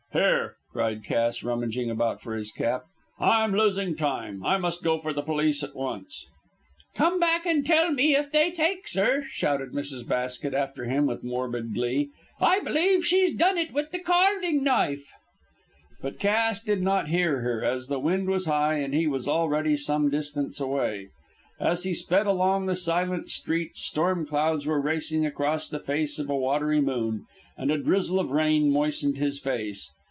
"Here," cried Cass, rummaging about for his cap, "I'm losing time. I must go for the police at once." "Come back and tell me if they takes her," shouted Mrs. Basket after him with morbid glee. "I believe she's done it with the carving knife." But Cass did not hear her, as the wind was high and he was already some distance away. As he sped along the silent streets storm clouds were racing across the face of a watery moon, and a drizzle of rain moistened his face.